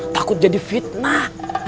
takut jadi fitnah